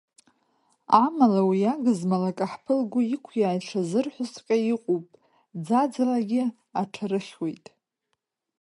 Амала, уи агызмал, акаҳԥы лгәы иқәиааит шазырҳәозҵәҟьа иҟоуп ӡаӡалагьы аҽарыхьуеит…